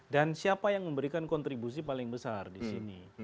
dan siapa yang memberikan kontribusi paling besar disini